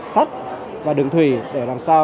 sắt và đường thủy để làm sao